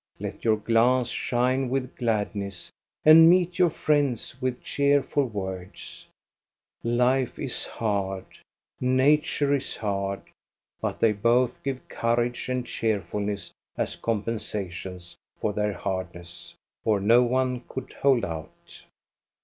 Let your glance shine with gladness, and meet your friends with cheerful words ! Life is hard, nature is hard. But they both give courage and cheerfulness as compensations for their hardness, or no one could hold out.